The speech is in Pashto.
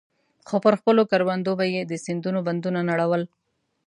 خو پر خپلو کروندو به يې د سيندونو بندونه نړول.